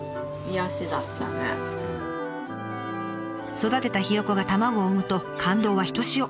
育てたヒヨコが卵を産むと感動はひとしお。